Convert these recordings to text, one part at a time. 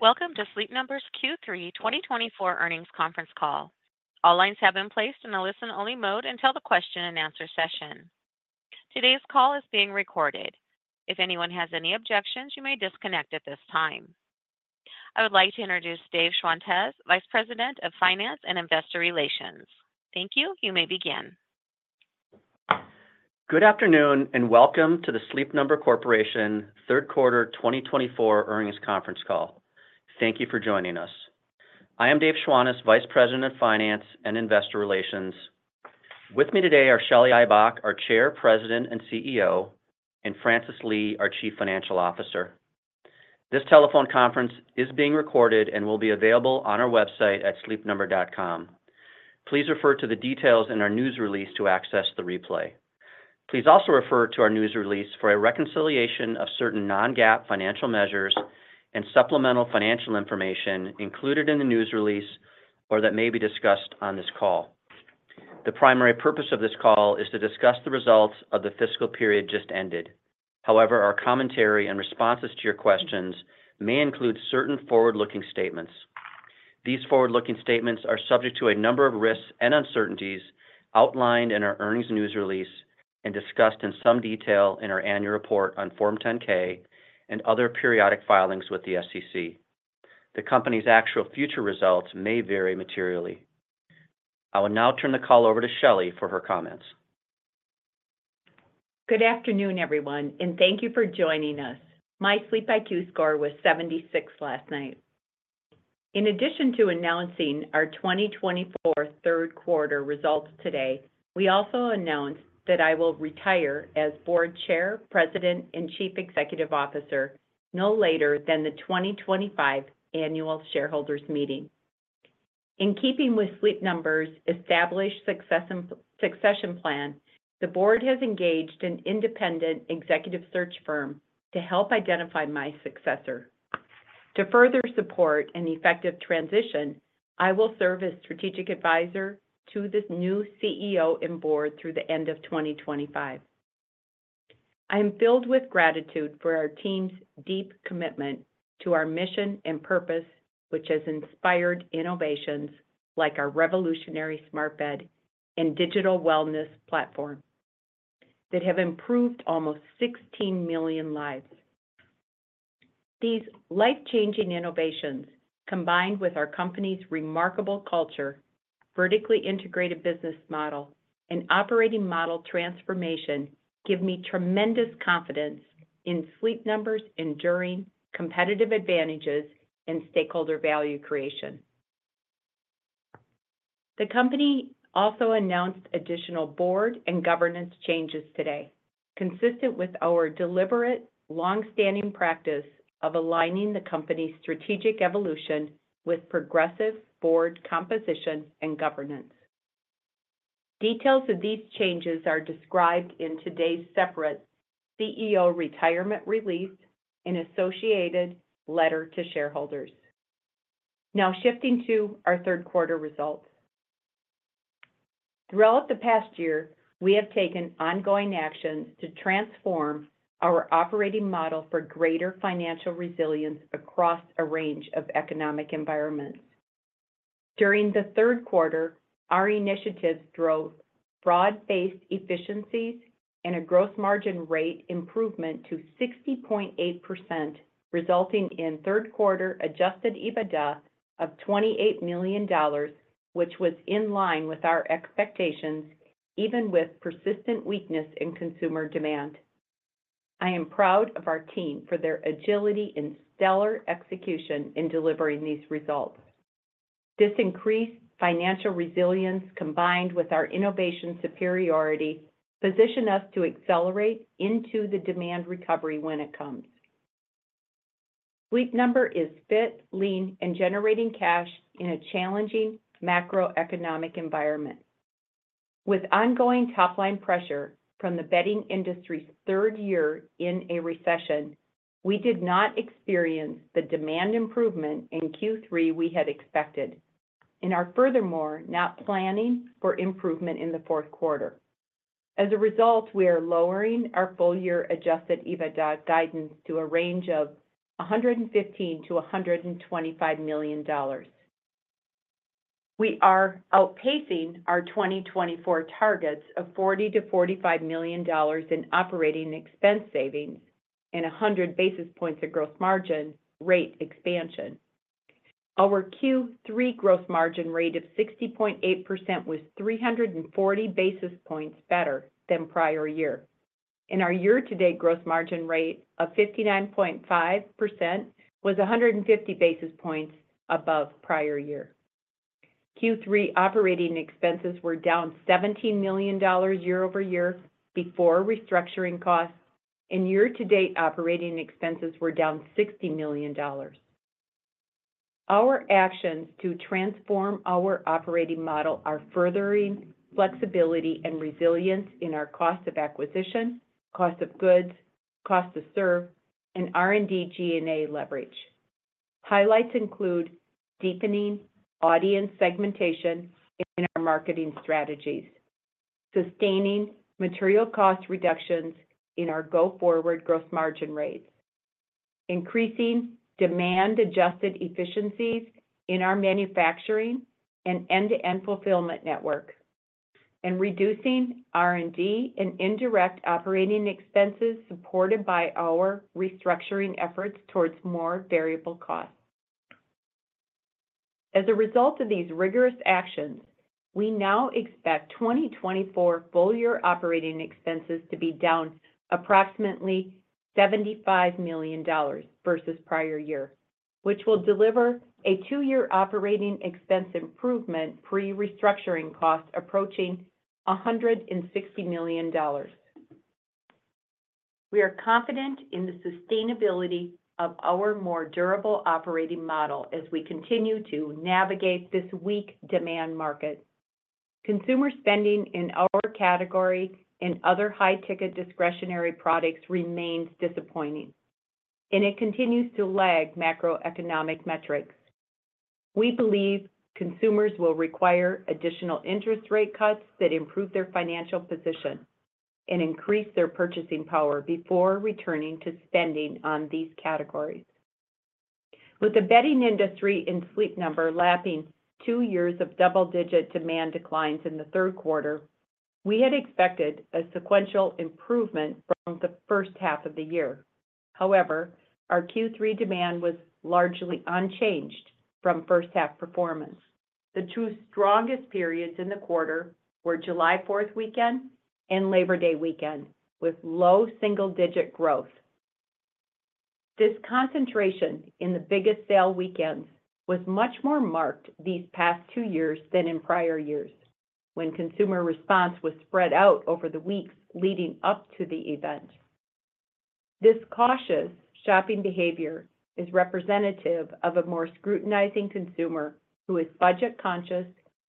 Welcome to Sleep Number's Q3 2024 earnings conference call. All lines have been placed in a listen-only mode until the question-and-answer session. Today's call is being recorded. If anyone has any objections, you may disconnect at this time. I would like to introduce Dave Schwantes, Vice President of Finance and Investor Relations. Thank you. You may begin. Good afternoon and welcome to the Sleep Number Corporation Third Quarter 2024 earnings conference call. Thank you for joining us. I am Dave Schwantes, Vice President of Finance and Investor Relations. With me today are Shelly Ibach, our Chair, President, and CEO, and Francis Lee, our Chief Financial Officer. This telephone conference is being recorded and will be available on our website at sleepnumber.com. Please refer to the details in our news release to access the replay. Please also refer to our news release for a reconciliation of certain non-GAAP financial measures and supplemental financial information included in the news release or that may be discussed on this call. The primary purpose of this call is to discuss the results of the fiscal period just ended. However, our commentary and responses to your questions may include certain forward-looking statements. These forward-looking statements are subject to a number of risks and uncertainties outlined in our earnings news release and discussed in some detail in our annual report on Form 10-K and other periodic filings with the SEC. The company's actual future results may vary materially. I will now turn the call over to Shelly for her comments. Good afternoon, everyone, and thank you for joining us. My SleepIQ score was 76 last night. In addition to announcing our 2024 third quarter results today, we also announced that I will retire as Board Chair, President, and Chief Executive Officer no later than the 2025 annual shareholders' meeting. In keeping with Sleep Number's established succession plan, the board has engaged an independent executive search firm to help identify my successor. To further support an effective transition, I will serve as strategic advisor to this new CEO and board through the end of 2025. I am filled with gratitude for our team's deep commitment to our mission and purpose, which has inspired innovations like our revolutionary Smart Bed and digital wellness platform that have improved almost 16 million lives. These life-changing innovations, combined with our company's remarkable culture, vertically integrated business model, and operating model transformation, give me tremendous confidence in Sleep Number's enduring competitive advantages and stakeholder value creation. The company also announced additional board and governance changes today, consistent with our deliberate, long-standing practice of aligning the company's strategic evolution with progressive board composition and governance. Details of these changes are described in today's separate CEO retirement release and associated letter to shareholders. Now, shifting to our third quarter results. Throughout the past year, we have taken ongoing actions to transform our operating model for greater financial resilience across a range of economic environments. During the third quarter, our initiatives drove broad-based efficiencies and a gross margin rate improvement to 60.8%, resulting in third quarter Adjusted EBITDA of $28 million, which was in line with our expectations, even with persistent weakness in consumer demand. I am proud of our team for their agility and stellar execution in delivering these results. This increased financial resilience, combined with our innovation superiority, positions us to accelerate into the demand recovery when it comes. Sleep Number is fit, lean, and generating cash in a challenging macroeconomic environment. With ongoing top-line pressure from the bedding industry's third year in a recession, we did not experience the demand improvement in Q3 we had expected, and are furthermore not planning for improvement in the fourth quarter. As a result, we are lowering our full-year Adjusted EBITDA guidance to a range of $115 million-$125 million. We are outpacing our 2024 targets of $40 million-$45 million in operating expense savings and 100 basis points of gross margin rate expansion. Our Q3 gross margin rate of 60.8% was 340 basis points better than prior year, and our year-to-date gross margin rate of 59.5% was 150 basis points above prior year. Q3 operating expenses were down $17 million year-over-year before restructuring costs, and year-to-date operating expenses were down $60 million. Our actions to transform our operating model are furthering flexibility and resilience in our cost of acquisition, cost of goods, cost to serve, and R&D G&A leverage. Highlights include deepening audience segmentation in our marketing strategies, sustaining material cost reductions in our go-forward gross margin rates, increasing demand-adjusted efficiencies in our manufacturing and end-to-end fulfillment networks, and reducing R&D and indirect operating expenses supported by our restructuring efforts towards more variable costs. As a result of these rigorous actions, we now expect 2024 full-year operating expenses to be down approximately $75 million versus prior year, which will deliver a two-year operating expense improvement pre-restructuring cost approaching $160 million. We are confident in the sustainability of our more durable operating model as we continue to navigate this weak demand market. Consumer spending in our category and other high-ticket discretionary products remains disappointing, and it continues to lag macroeconomic metrics. We believe consumers will require additional interest rate cuts that improve their financial position and increase their purchasing power before returning to spending on these categories. With the bedding industry and Sleep Number lapping two years of double-digit demand declines in the third quarter, we had expected a sequential improvement from the first half of the year. However, our Q3 demand was largely unchanged from first-half performance. The two strongest periods in the quarter were July 4th weekend and Labor Day weekend, with low single-digit growth. This concentration in the biggest sale weekends was much more marked these past two years than in prior years, when consumer response was spread out over the weeks leading up to the event. This cautious shopping behavior is representative of a more scrutinizing consumer who is budget-conscious,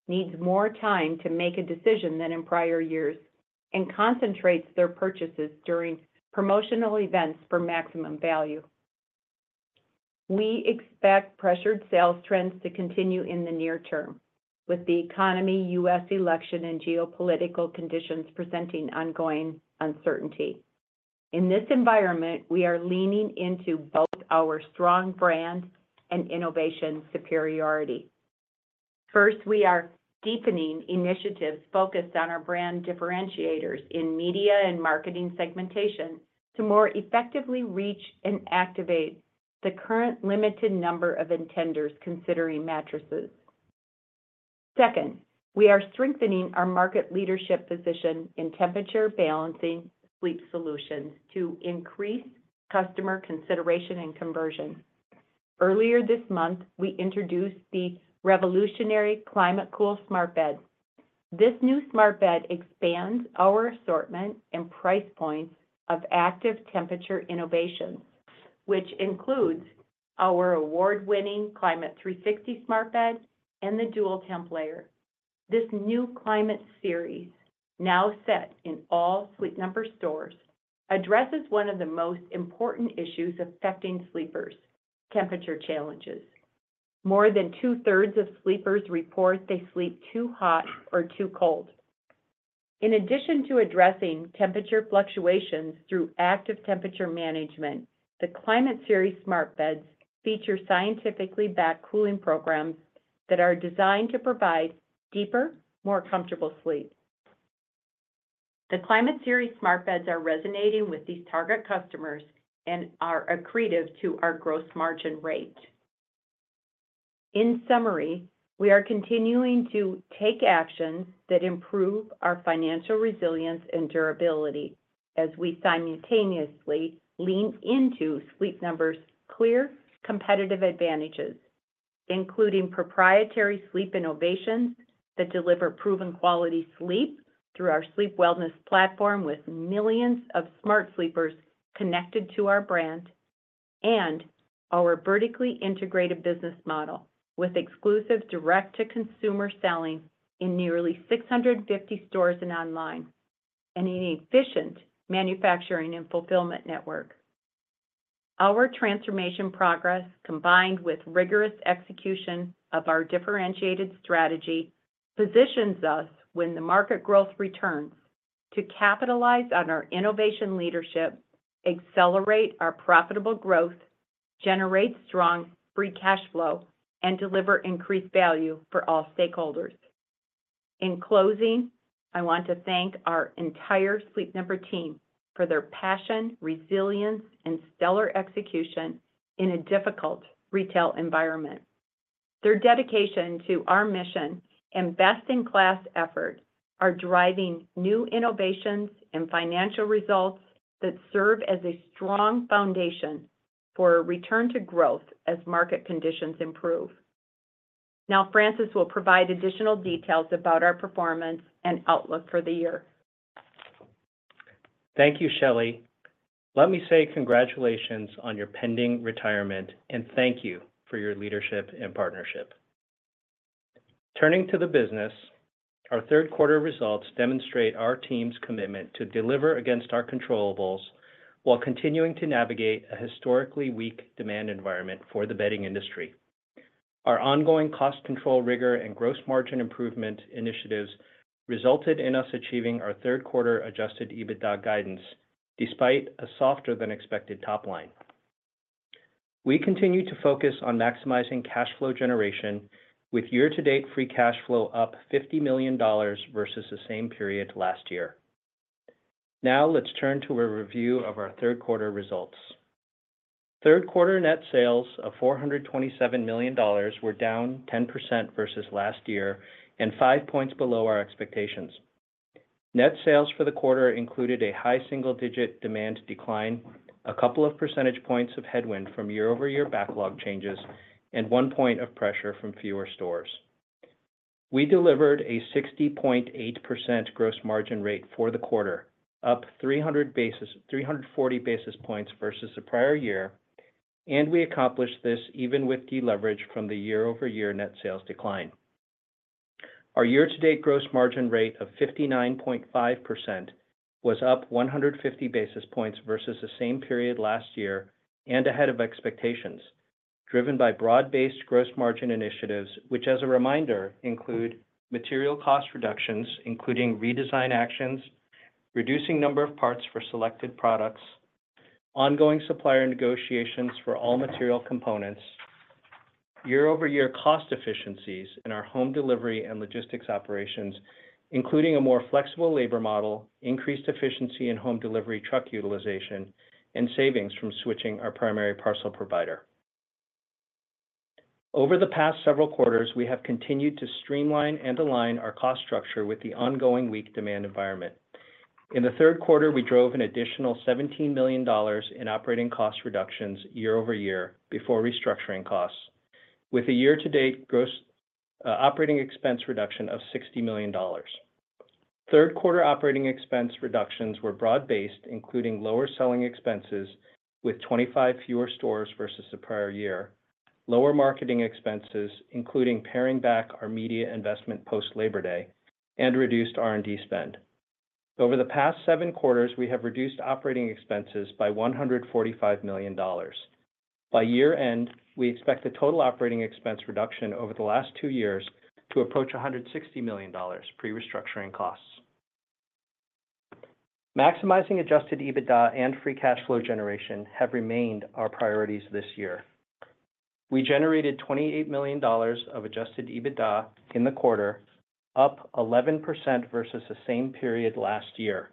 needs more time to make a decision than in prior years, and concentrates their purchases during promotional events for maximum value. We expect pressured sales trends to continue in the near term, with the economy, U.S. election, and geopolitical conditions presenting ongoing uncertainty. In this environment, we are leaning into both our strong brand and innovation superiority. First, we are deepening initiatives focused on our brand differentiators in media and marketing segmentation to more effectively reach and activate the current limited number of intenders considering mattresses. Second, we are strengthening our market leadership position in temperature-balancing sleep solutions to increase customer consideration and conversion. Earlier this month, we introduced the revolutionary ClimateCool Smart Bed. This new Smart Bed expands our assortment and price points of active temperature innovations, which includes our award-winning Climate360 Smart Bed and the DualTemp layer. This new Climate Series, now set in all Sleep Number stores, addresses one of the most important issues affecting sleepers: temperature challenges. More than two-thirds of sleepers report they sleep too hot or too cold. In addition to addressing temperature fluctuations through active temperature management, the Climate Series Smart Beds feature scientifically backed cooling programs that are designed to provide deeper, more comfortable sleep. The Climate Series Smart Beds are resonating with these target customers and are accretive to our gross margin rate. In summary, we are continuing to take actions that improve our financial resilience and durability as we simultaneously lean into Sleep Number's clear competitive advantages, including proprietary sleep innovations that deliver proven quality sleep through our sleep wellness platform with millions of Smart Sleepers connected to our brand and our vertically integrated business model with exclusive direct-to-consumer selling in nearly 650 stores and online, and an efficient manufacturing and fulfillment network. Our transformation progress, combined with rigorous execution of our differentiated strategy, positions us when the market growth returns to capitalize on our innovation leadership, accelerate our profitable growth, generate strong free cash flow, and deliver increased value for all stakeholders. In closing, I want to thank our entire Sleep Number team for their passion, resilience, and stellar execution in a difficult retail environment. Their dedication to our mission and best-in-class effort are driving new innovations and financial results that serve as a strong foundation for a return to growth as market conditions improve. Now, Francis will provide additional details about our performance and outlook for the year. Thank you, Shelly. Let me say congratulations on your pending retirement, and thank you for your leadership and partnership. Turning to the business, our third quarter results demonstrate our team's commitment to deliver against our controllables, while continuing to navigate a historically weak demand environment for the bedding industry. Our ongoing cost control rigor and gross margin improvement initiatives resulted in us achieving our third quarter Adjusted EBITDA guidance, despite a softer-than-expected top line. We continue to focus on maximizing cash flow generation, with year-to-date free cash flow up $50 million versus the same period last year. Now, let's turn to a review of our third quarter results. Third quarter net sales of $427 million were down 10% versus last year and five points below our expectations. Net sales for the quarter included a high single-digit demand decline, a couple of percentage points of headwind from year-over-year backlog changes, and one point of pressure from fewer stores. We delivered a 60.8% gross margin rate for the quarter, up 340 basis points versus the prior year, and we accomplished this even with deleverage from the year-over-year net sales decline. Our year-to-date gross margin rate of 59.5% was up 150 basis points versus the same period last year and ahead of expectations, driven by broad-based gross margin initiatives, which, as a reminder, include material cost reductions, including redesign actions, reducing number of parts for selected products, ongoing supplier negotiations for all material components, year-over-year cost efficiencies in our home delivery and logistics operations, including a more flexible labor model, increased efficiency in home delivery truck utilization, and savings from switching our primary parcel provider. Over the past several quarters, we have continued to streamline and align our cost structure with the ongoing weak demand environment. In the third quarter, we drove an additional $17 million in operating cost reductions year-over-year before restructuring costs, with a year-to-date gross operating expense reduction of $60 million. Third quarter operating expense reductions were broad-based, including lower selling expenses, with 25 fewer stores versus the prior year, lower marketing expenses, including paring back our media investment post-Labor Day, and reduced R&D spend. Over the past seven quarters, we have reduced operating expenses by $145 million. By year-end, we expect the total operating expense reduction over the last two years to approach $160 million pre-restructuring costs. Maximizing adjusted EBITDA and free cash flow generation have remained our priorities this year. We generated $28 million of adjusted EBITDA in the quarter, up 11% versus the same period last year.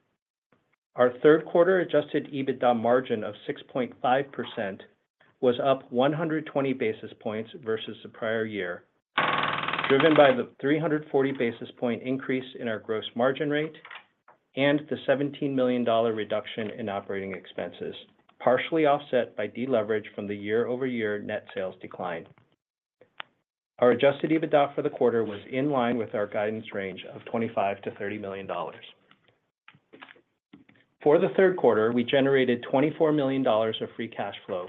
Our third quarter adjusted EBITDA margin of 6.5% was up 120 basis points versus the prior year, driven by the 340 basis point increase in our gross margin rate and the $17 million reduction in operating expenses, partially offset by deleverage from the year-over-year net sales decline. Our adjusted EBITDA for the quarter was in line with our guidance range of $25 million-$30 million. For the third quarter, we generated $24 million of free cash flow,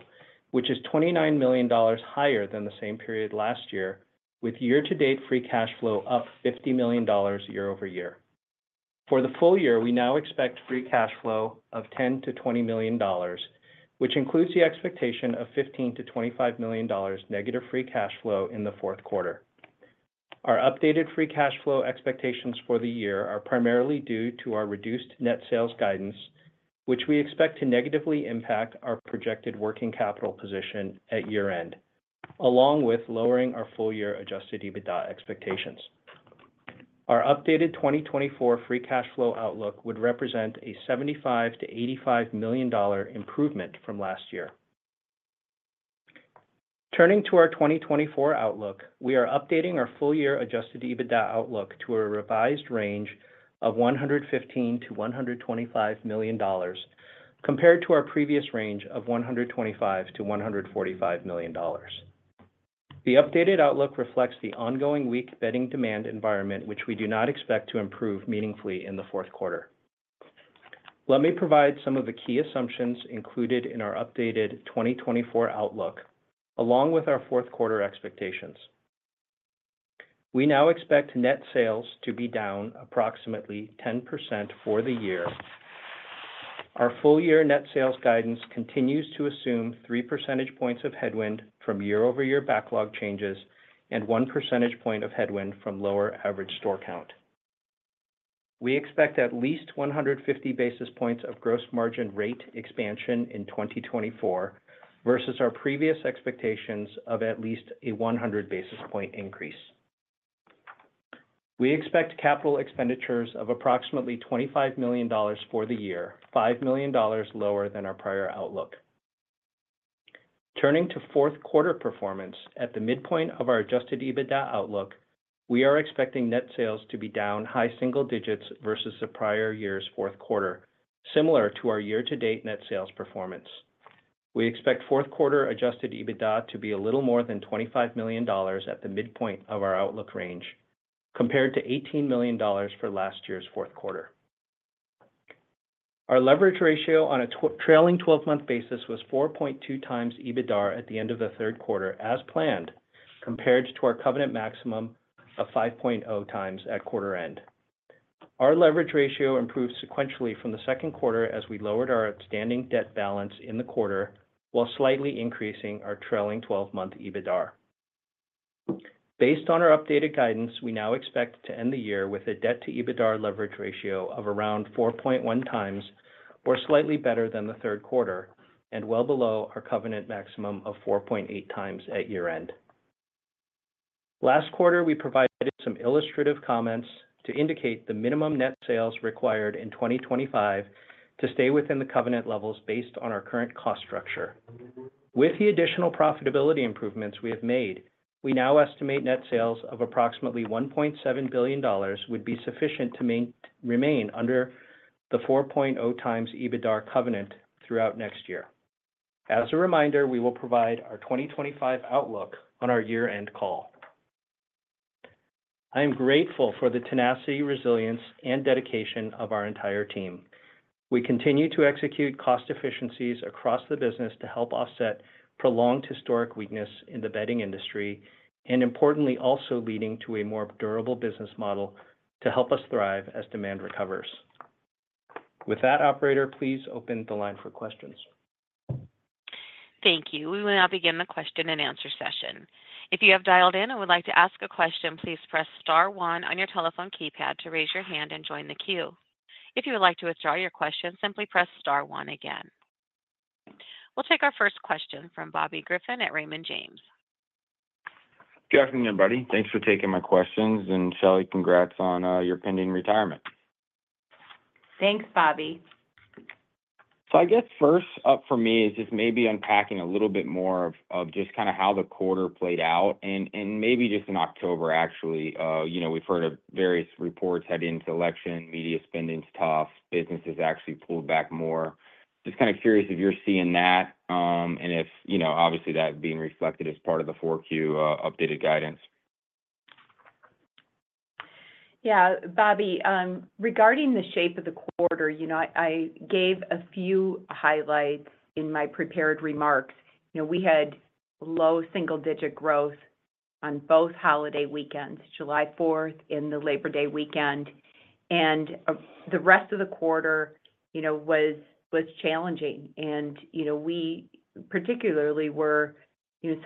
which is $29 million higher than the same period last year, with year-to-date free cash flow up $50 million year-over-year. For the full year, we now expect free cash flow of $10 million-$20 million, which includes the expectation of $15 million-$25 million negative free cash flow in the fourth quarter. Our updated free cash flow expectations for the year are primarily due to our reduced net sales guidance, which we expect to negatively impact our projected working capital position at year-end, along with lowering our full-year adjusted EBITDA expectations. Our updated 2024 free cash flow outlook would represent a $75 million-$85 million improvement from last year. Turning to our 2024 outlook, we are updating our full-year adjusted EBITDA outlook to a revised range of $115 million-$125 million, compared to our previous range of $125 million-$145 million. The updated outlook reflects the ongoing weak bedding demand environment, which we do not expect to improve meaningfully in the fourth quarter. Let me provide some of the key assumptions included in our updated 2024 outlook, along with our fourth quarter expectations. We now expect net sales to be down approximately 10% for the year. Our full-year net sales guidance continues to assume 3 percentage points of headwind from year-over-year backlog changes and 1 percentage point of headwind from lower average store count. We expect at least 150 basis points of gross margin rate expansion in 2024 versus our previous expectations of at least a 100 basis point increase. We expect capital expenditures of approximately $25 million for the year, $5 million lower than our prior outlook. Turning to fourth quarter performance, at the midpoint of our adjusted EBITDA outlook, we are expecting net sales to be down high single digits versus the prior year's fourth quarter, similar to our year-to-date net sales performance. We expect fourth quarter adjusted EBITDA to be a little more than $25 million at the midpoint of our outlook range, compared to $18 million for last year's fourth quarter. Our leverage ratio on a trailing 12-month basis was 4.2x EBITDA at the end of the third quarter, as planned, compared to our covenant maximum of 5.0x at quarter-end. Our leverage ratio improved sequentially from the second quarter as we lowered our outstanding debt balance in the quarter, while slightly increasing our trailing 12-month EBITDA. Based on our updated guidance, we now expect to end the year with a debt-to-EBITDA leverage ratio of around 4.1x, or slightly better than the third quarter, and well below our covenant maximum of 4.8x at year-end. Last quarter, we provided some illustrative comments to indicate the minimum net sales required in 2025 to stay within the covenant levels based on our current cost structure. With the additional profitability improvements we have made, we now estimate net sales of approximately $1.7 billion would be sufficient to remain under the 4.0x EBITDA covenant throughout next year. As a reminder, we will provide our 2025 outlook on our year-end call. I am grateful for the tenacity, resilience, and dedication of our entire team. We continue to execute cost efficiencies across the business to help offset prolonged historic weakness in the bedding industry, and importantly, also leading to a more durable business model to help us thrive as demand recovers. With that, Operator, please open the line for questions. Thank you. We will now begin the question and answer session. If you have dialed in and would like to ask a question, please press star one on your telephone keypad to raise your hand and join the queue. If you would like to withdraw your question, simply press star one again. We'll take our first question from Bobby Griffin at Raymond James. Good afternoon, everybody. Thanks for taking my questions. And Shelly, congrats on your pending retirement. Thanks, Bobby. So I guess first up for me is just maybe unpacking a little bit more of just kind of how the quarter played out. And maybe just in October, actually, we've heard various reports heading into election, media spending's tough, businesses actually pulled back more. Just kind of curious if you're seeing that, and if obviously that being reflected as part of the Q4 updated guidance. Yeah, Bobby, regarding the shape of the quarter, I gave a few highlights in my prepared remarks. We had low single-digit growth on both holiday weekends, July 4th and the Labor Day weekend. And the rest of the quarter was challenging. And we particularly had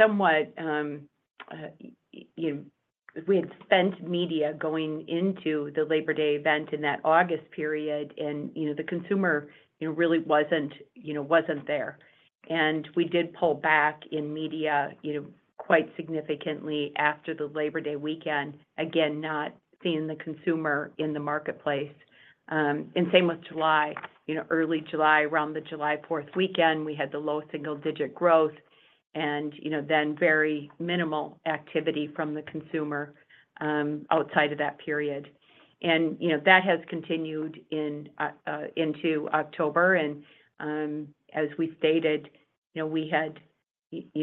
spent media going into the Labor Day event in that August period, and the consumer really wasn't there. And we did pull back in media quite significantly after the Labor Day weekend, again, not seeing the consumer in the marketplace. And same with July, early July, around the July 4th weekend, we had the low single-digit growth, and then very minimal activity from the consumer outside of that period. And that has continued into October. And as we stated, we had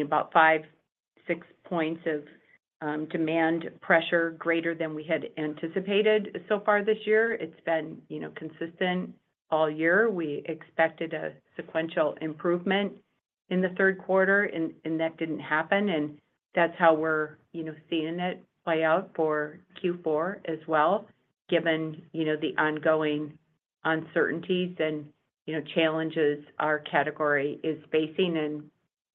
about five, six points of demand pressure greater than we had anticipated so far this year. It's been consistent all year. We expected a sequential improvement in the third quarter, and that didn't happen and that's how we're seeing it play out for Q4 as well, given the ongoing uncertainties and challenges our category is facing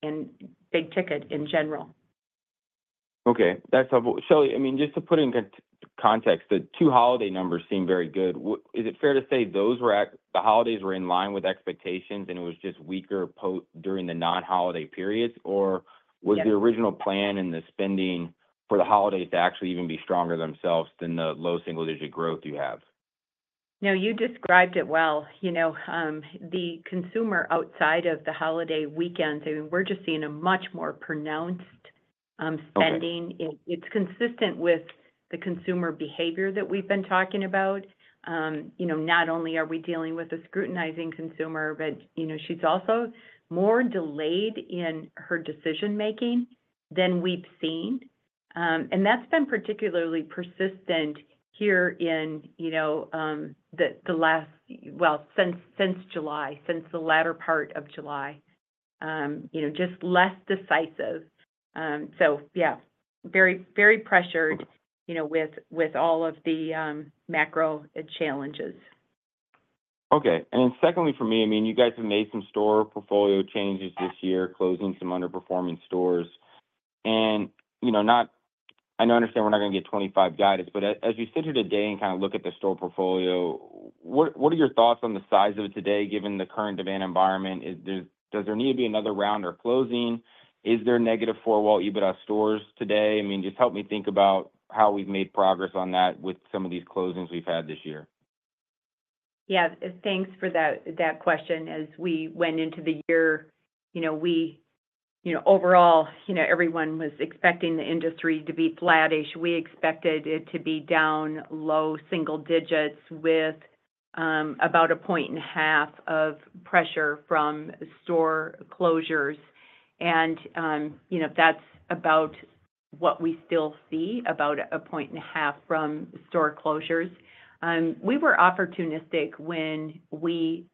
and big ticket in general. Okay. Shelly, I mean, just to put it in context, the two holiday numbers seem very good. Is it fair to say those holidays were in line with expectations, and it was just weaker during the non-holiday periods? Or was the original plan and the spending for the holidays to actually even be stronger themselves than the low single-digit growth you have? No, you described it well. The consumer outside of the holiday weekends, I mean, we're just seeing a much more pronounced spending. It's consistent with the consumer behavior that we've been talking about. Not only are we dealing with a scrutinizing consumer, but she's also more delayed in her decision-making than we've seen. And that's been particularly persistent here in the last, well, since July, since the latter part of July, just less decisive. So yeah, very pressured with all of the macro challenges. Okay. And then secondly for me, I mean, you guys have made some store portfolio changes this year, closing some underperforming stores. And I know. I understand we're not going to get 2025 guidance, but as we sit here today and kind of look at the store portfolio, what are your thoughts on the size of it today, given the current demand environment? Does there need to be another round of closing? Is there negative four-wall EBITDA stores today? I mean, just help me think about how we've made progress on that with some of these closings we've had this year. Yeah. Thanks for that question. As we went into the year, we overall, everyone was expecting the industry to be flattish. We expected it to be down low single digits with about a point and a half of pressure from store closures. And that's about what we still see about a point and a half from store closures. We were opportunistic when we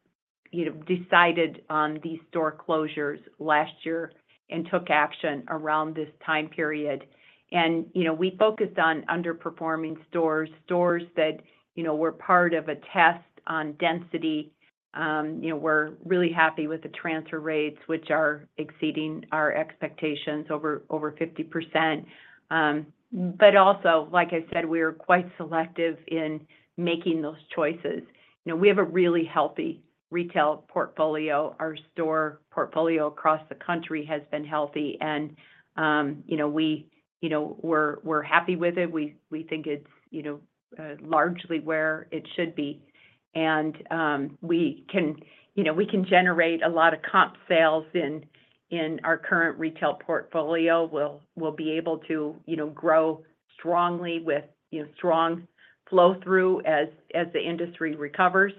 decided on these store closures last year and took action around this time period. And we focused on underperforming stores, stores that were part of a test on density. We're really happy with the transfer rates, which are exceeding our expectations over 50%. But also, like I said, we are quite selective in making those choices. We have a really healthy retail portfolio. Our store portfolio across the country has been healthy, and we're happy with it. We think it's largely where it should be. We can generate a lot of comp sales in our current retail portfolio. We'll be able to grow strongly with strong flow-through as the industry recovers.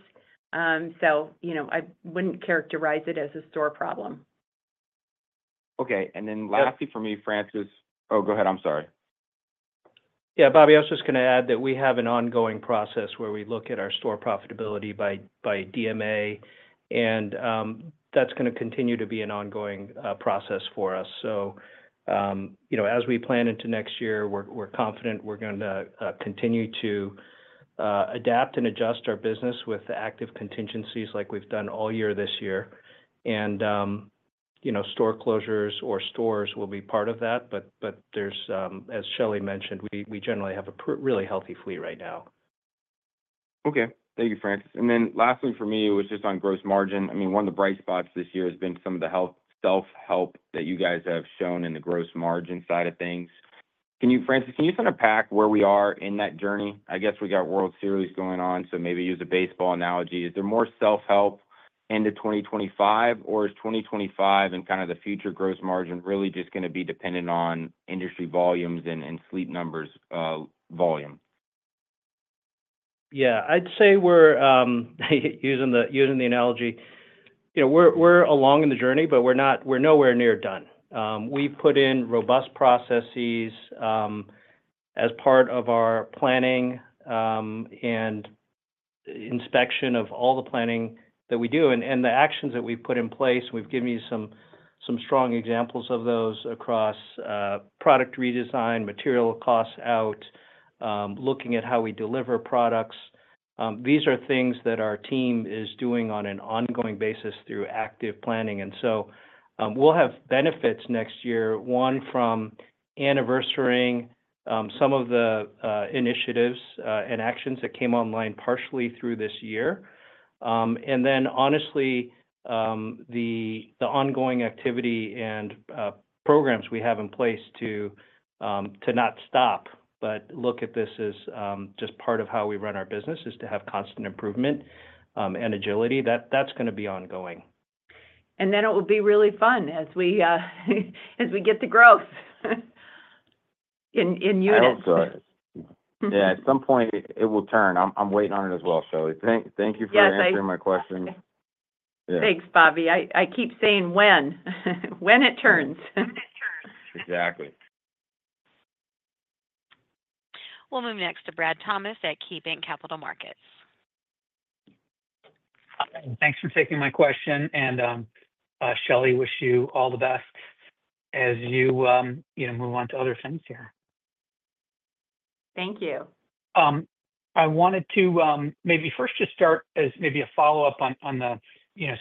I wouldn't characterize it as a store problem. Okay. And then lastly for me, Francis. Oh, go ahead. I'm sorry. Yeah, Bobby, I was just going to add that we have an ongoing process where we look at our store profitability by DMA, and that's going to continue to be an ongoing process for us. So as we plan into next year, we're confident we're going to continue to adapt and adjust our business with active contingencies like we've done all year this year. And store closures or stores will be part of that. But as Shelly mentioned, we generally have a really healthy fleet right now. Okay. Thank you, Francis. And then lastly for me, it was just on gross margin. I mean, one of the bright spots this year has been some of the self-help that you guys have shown in the gross margin side of things. Francis, can you kind of unpack where we are in that journey? I guess we got World Series going on, so maybe use a baseball analogy. Is there more self-help end of 2025, or is 2025 and kind of the future gross margin really just going to be dependent on industry volumes and Sleep Number's volume? Yeah. I'd say we're using the analogy. We're along in the journey, but we're nowhere near done. We've put in robust processes as part of our planning and inspection of all the planning that we do. And the actions that we've put in place, we've given you some strong examples of those across product redesign, material costs out, looking at how we deliver products. These are things that our team is doing on an ongoing basis through active planning. And so we'll have benefits next year, one from anniversarying some of the initiatives and actions that came online partially through this year. And then, honestly, the ongoing activity and programs we have in place to not stop, but look at this as just part of how we run our business, is to have constant improvement and agility. That's going to be ongoing. It will be really fun as we get the growth in unit. I hope so. Yeah. At some point, it will turn. I'm waiting on it as well, Shelly. Thank you for answering my question. Thanks, Bobby. I keep saying when it turns. Exactly. We'll move next to Brad Thomas at KeyBanc Capital Markets. Thanks for taking my question, and Shelly, wish you all the best as you move on to other things here. Thank you. I wanted to maybe first just start as maybe a follow-up on the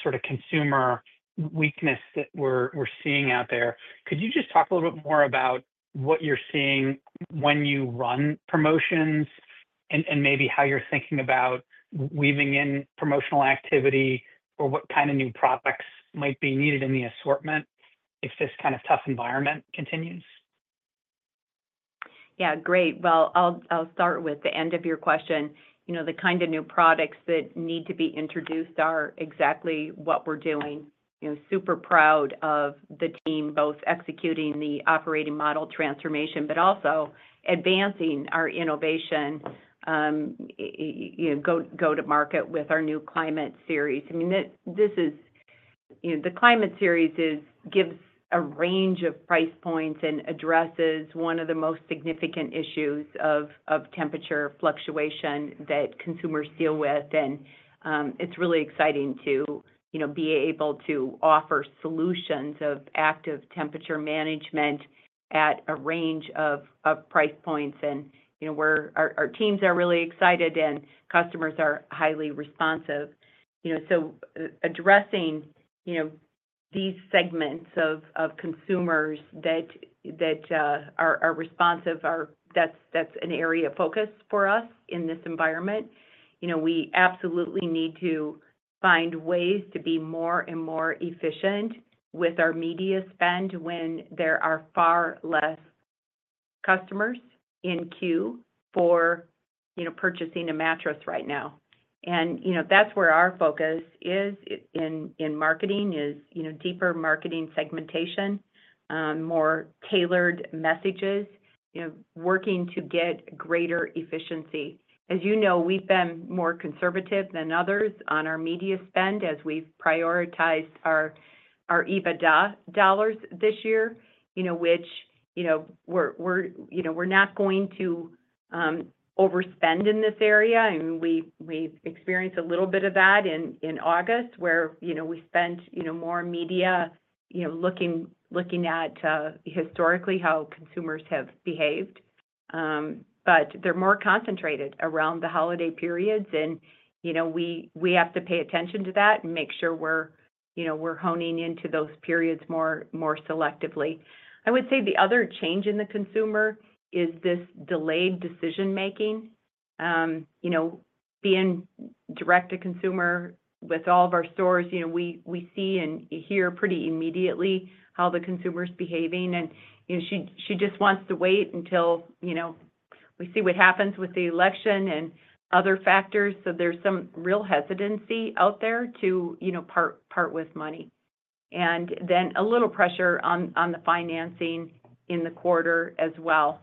sort of consumer weakness that we're seeing out there. Could you just talk a little bit more about what you're seeing when you run promotions and maybe how you're thinking about weaving in promotional activity or what kind of new products might be needed in the assortment if this kind of tough environment continues? Yeah. Great. Well, I'll start with the end of your question. The kind of new products that need to be introduced are exactly what we're doing. Super proud of the team, both executing the operating model transformation, but also advancing our innovation, go to market with our new Climate Series. I mean, the Climate Series gives a range of price points and addresses one of the most significant issues of temperature fluctuation that consumers deal with, and it's really exciting to be able to offer solutions of active temperature management at a range of price points, and our teams are really excited, and customers are highly responsive, so addressing these segments of consumers that are responsive, that's an area of focus for us in this environment. We absolutely need to find ways to be more and more efficient with our media spend when there are far less customers in queue for purchasing a mattress right now. And that's where our focus is in marketing, is deeper marketing segmentation, more tailored messages, working to get greater efficiency. As you know, we've been more conservative than others on our media spend as we've prioritized our EBITDA dollars this year, which we're not going to overspend in this area. And we've experienced a little bit of that in August, where we spent more media looking at historically how consumers have behaved. But they're more concentrated around the holiday periods, and we have to pay attention to that and make sure we're honing into those periods more selectively. I would say the other change in the consumer is this delayed decision-making. Being direct to consumer with all of our stores, we see and hear pretty immediately how the consumer's behaving, and she just wants to wait until we see what happens with the election and other factors, so there's some real hesitancy out there to part with money, and then a little pressure on the financing in the quarter as well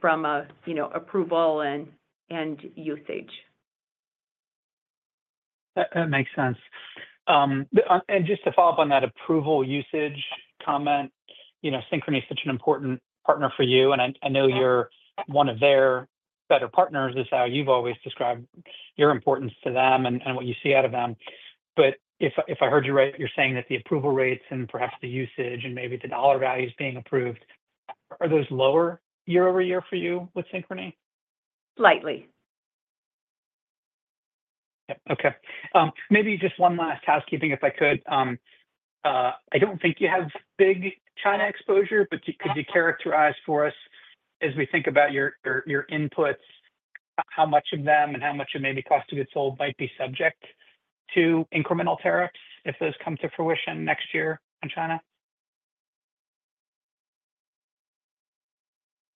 from approval and usage. That makes sense. And just to follow up on that approval usage comment, Synchrony is such an important partner for you. And I know you're one of their better partners, is how you've always described your importance to them and what you see out of them. But if I heard you right, you're saying that the approval rates and perhaps the usage and maybe the dollar values being approved, are those lower year over year for you with Synchrony? Slightly. Yep. Okay. Maybe just one last housekeeping, if I could. I don't think you have big China exposure, but could you characterize for us, as we think about your inputs, how much of them and how much of maybe cost of goods sold might be subject to incremental tariffs if those come to fruition next year in China?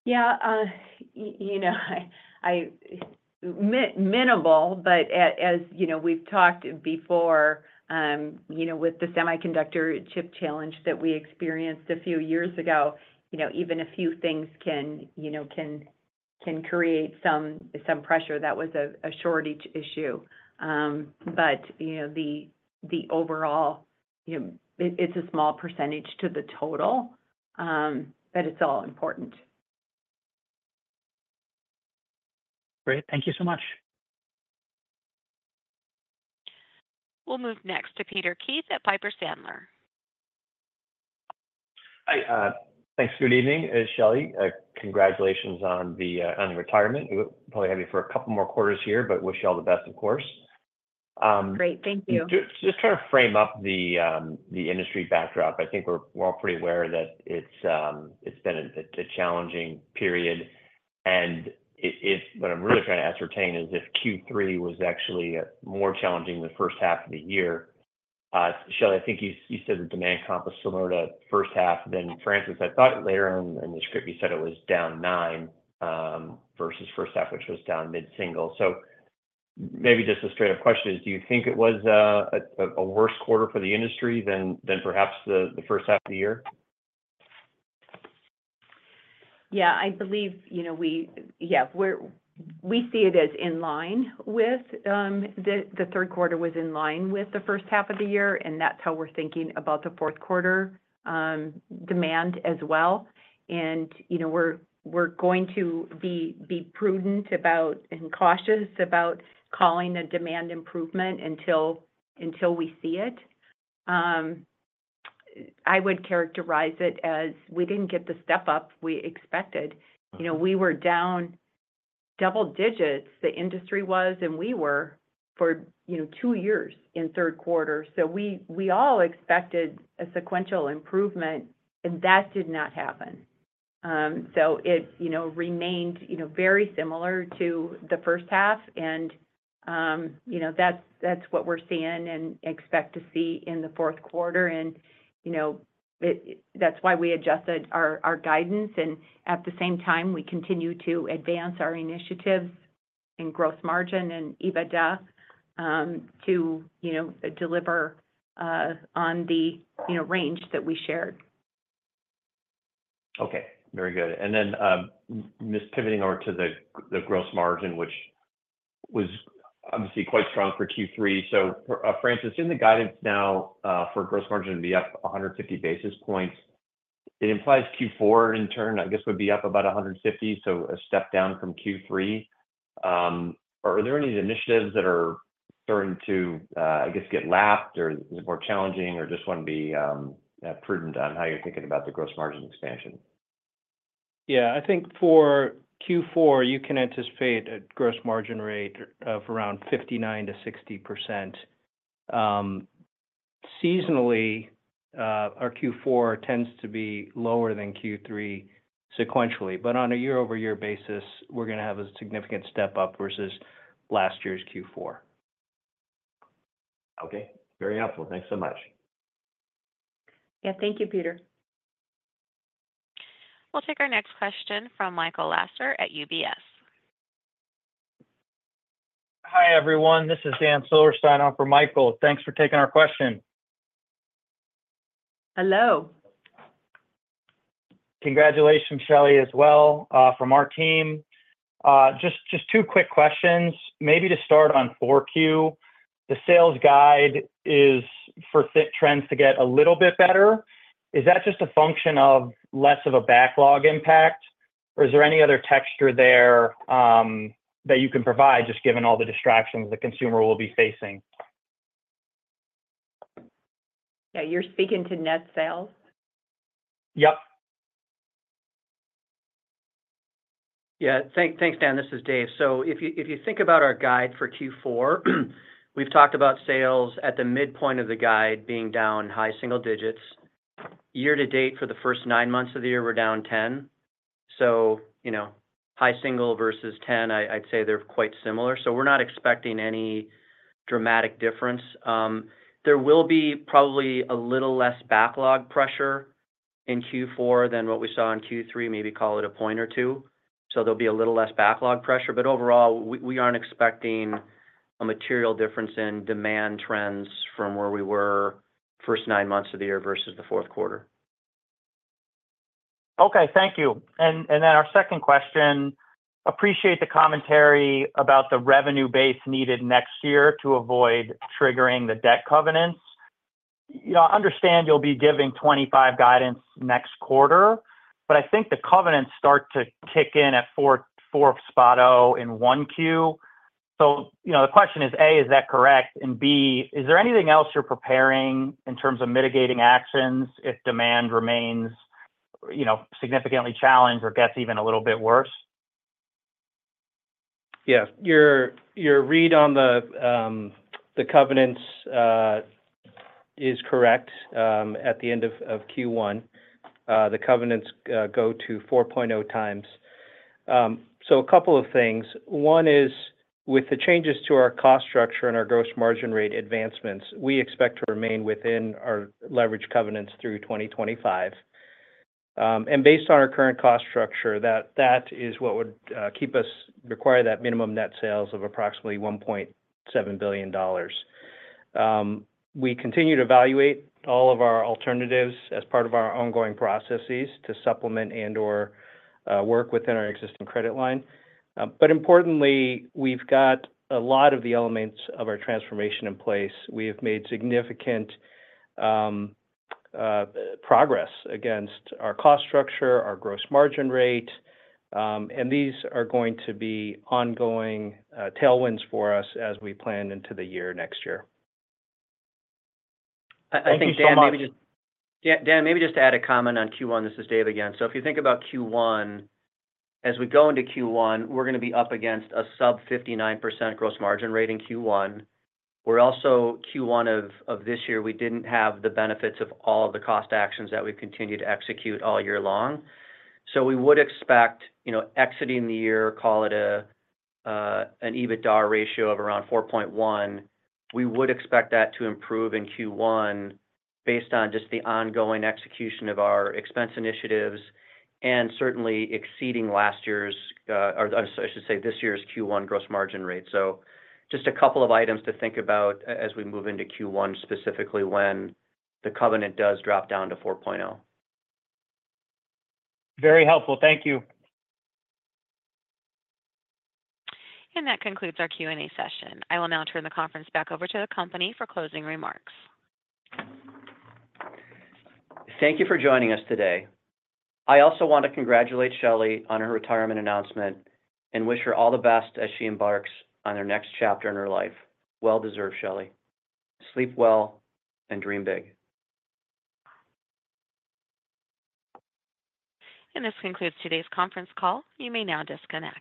Yeah. Minimal, but as we've talked before with the semiconductor chip challenge that we experienced a few years ago, even a few things can create some pressure. That was a shortage issue. But the overall, it's a small percentage to the total, but it's all important. Great. Thank you so much. We'll move next to Peter Keith at Piper Sandler. Thanks. Good evening, Shelly. Congratulations on the retirement. We'll probably have you for a couple more quarters here, but wish you all the best, of course. Great. Thank you. Just trying to frame up the industry backdrop. I think we're all pretty aware that it's been a challenging period. And what I'm really trying to ascertain is if Q3 was actually more challenging than the first half of the year. Shelly, I think you said the demand comp was similar to first half. Then Francis, I thought later on in the script, you said it was down nine versus first half, which was down mid-single. So maybe just a straight-up question is, do you think it was a worse quarter for the industry than perhaps the first half of the year? Yeah. I believe, yeah, we see it as in line with the third quarter was in line with the first half of the year, and that's how we're thinking about the fourth quarter demand as well and we're going to be prudent about and cautious about calling a demand improvement until we see it. I would characterize it as we didn't get the step up we expected. We were down double digits, the industry was, and we were for two years in third quarter so we all expected a sequential improvement, and that did not happen so it remained very similar to the first half, and that's what we're seeing and expect to see in the fourth quarter and that's why we adjusted our guidance and at the same time, we continue to advance our initiatives in gross margin and EBITDA to deliver on the range that we shared. Okay. Very good. And then just pivoting over to the gross margin, which was obviously quite strong for Q3. So Francis, in the guidance now for gross margin to be up 150 basis points, it implies Q4 in turn, I guess, would be up about 150, so a step down from Q3. Are there any initiatives that are starting to, I guess, get lapped or is it more challenging or just want to be prudent on how you're thinking about the gross margin expansion? Yeah. I think for Q4, you can anticipate a gross margin rate of around 59%-60%. Seasonally, our Q4 tends to be lower than Q3 sequentially. But on a year-over-year basis, we're going to have a significant step up versus last year's Q4. Okay. Very helpful. Thanks so much. Yeah. Thank you, Peter. We'll take our next question from Michael Lassar at UBS. Hi, everyone. This is Dan Silverstein for Michael. Thanks for taking our question. Hello. Congratulations, Shelly, as well from our team. Just two quick questions. Maybe to start on 4Q, the sales guide is for trends to get a little bit better. Is that just a function of less of a backlog impact, or is there any other texture there that you can provide, just given all the distractions the consumer will be facing? Yeah. You're speaking to net sales? Yep. Yeah. Thanks, Dan. This is Dave. So if you think about our guide for Q4, we've talked about sales at the midpoint of the guide being down high single digits. Year to date, for the first nine months of the year, we're down 10. So high single versus 10, I'd say they're quite similar. So we're not expecting any dramatic difference. There will be probably a little less backlog pressure in Q4 than what we saw in Q3, maybe call it a point or two. So there'll be a little less backlog pressure. But overall, we aren't expecting a material difference in demand trends from where we were first nine months of the year versus the fourth quarter. Okay. Thank you. And then our second question. Appreciate the commentary about the revenue base needed next year to avoid triggering the debt covenants. I understand you'll be giving 2025 guidance next quarter, but I think the covenants start to kick in at 4Q 2025 and 1Q. So the question is, A, is that correct? And B, is there anything else you're preparing in terms of mitigating actions if demand remains significantly challenged or gets even a little bit worse? Yeah. Your read on the covenants is correct at the end of Q1. The covenants go to 4.0x. So a couple of things. One is, with the changes to our cost structure and our gross margin rate advancements, we expect to remain within our leverage covenants through 2025. And based on our current cost structure, that is what would require that minimum net sales of approximately $1.7 billion. We continue to evaluate all of our alternatives as part of our ongoing processes to supplement and/or work within our existing credit line. But importantly, we've got a lot of the elements of our transformation in place. We have made significant progress against our cost structure, our gross margin rate. And these are going to be ongoing tailwinds for us as we plan into the year next year. I think, Dan, maybe just to add a comment on Q1. This is Dave again. So if you think about Q1, as we go into Q1, we're going to be up against a sub-59% gross margin rate in Q1. We're also Q1 of this year, we didn't have the benefits of all of the cost actions that we've continued to execute all year long. So we would expect exiting the year, call it an EBITDA ratio of around 4.1. We would expect that to improve in Q1 based on just the ongoing execution of our expense initiatives and certainly exceeding last year's or I should say this year's Q1 gross margin rate. So just a couple of items to think about as we move into Q1 specifically when the covenant does drop down to 4.0. Very helpful. Thank you. That concludes our Q&A session. I will now turn the conference back over to the company for closing remarks. Thank you for joining us today. I also want to congratulate Shelly on her retirement announcement and wish her all the best as she embarks on her next chapter in her life. Well deserved, Shelly. Sleep well and dream big. This concludes today's conference call. You may now disconnect.